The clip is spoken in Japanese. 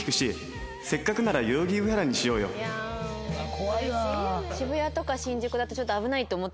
怖いわ。